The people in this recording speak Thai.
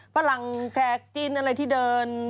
ฝรั่งแขกจิ้นอะไรที่เดิน